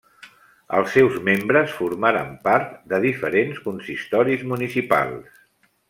Els seus membres formaren part diferents consistoris municipals.